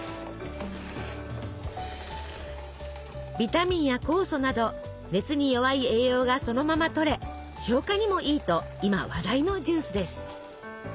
ビタミンや酵素など熱に弱い栄養がそのまま取れ消化にもいいと今話題のジュースです。